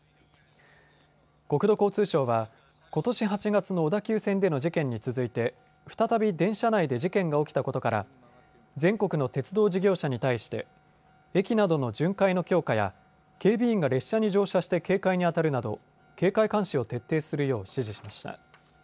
国土交通省はことし８月の小田急線での事件に続いて再び電車内で事件が起きたことから全国の鉄道事業者に対して駅などの巡回の強化や警備員が列車に乗車して警戒にあたるなど警戒監視を徹底するよう指示しました。